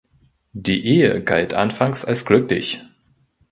Die Ehe galt anfangs als glücklich.